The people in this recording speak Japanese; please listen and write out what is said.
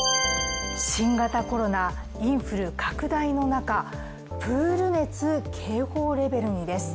新型コロナ、インフル拡大の中、プール熱「警報レベル」にです。